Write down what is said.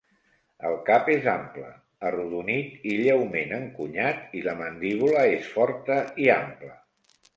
El cap és ample, arrodonit i lleument encunyat i la mandíbula és forta i ampla.